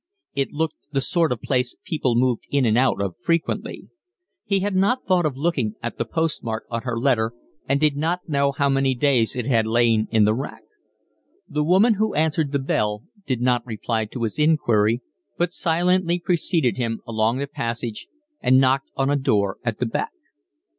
It looked the sort of place people moved in and out of frequently. He had not thought of looking at the postmark on her letter and did not know how many days it had lain in the rack. The woman who answered the bell did not reply to his inquiry, but silently preceded him along the passage and knocked on a door at the back.